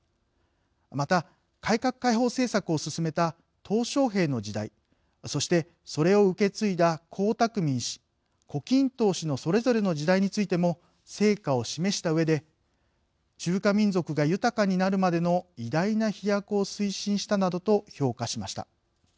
また、改革開放政策を進めたとう小平の時代そして、それを受け継いだ江沢民氏、胡錦涛氏のそれぞれの時代についても成果を示したうえで「中華民族が豊かになるまでの偉大な飛躍を推進した」などと評価しました。